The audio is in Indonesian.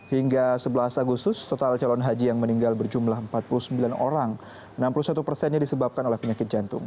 hingga sebelas agustus total calon haji yang meninggal berjumlah empat puluh sembilan orang enam puluh satu persennya disebabkan oleh penyakit jantung